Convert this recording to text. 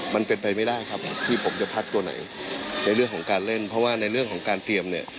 มันเป็นไปไม่ได้ครับที่ผมจะพักตัวไหนในเรื่องของการเล่นเพราะว่าในเรื่องของการเตรียมเนี่ย